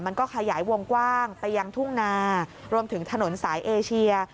มันก็ขยายวงกว้างไปยังทุ่งนารวมถึงถนนสายเอเชีย